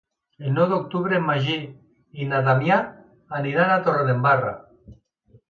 El nou d'octubre en Magí i na Damià aniran a Torredembarra.